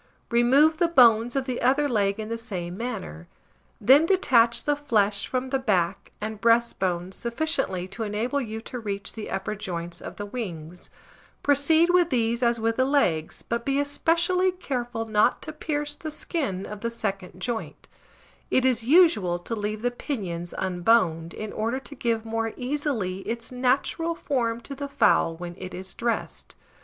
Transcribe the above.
Remove the bones of the other leg in the same manner; then detach the flesh from the back and breast bone sufficiently to enable you to reach the upper joints of the wings; proceed with these as with the legs, but be especially careful not to pierce the skin of the second joint: it is usual to leave the pinions unboned, in order to give more easily its natural form to the fowl when it is dressed.